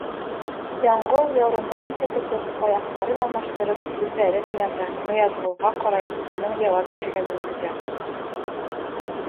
Янғол, яурындарын һелкетеп, аяҡтарын алмаштырып, күҙҙәрен уйната, Ныязғолға ҡарай, уның яуап биргәнен көтә.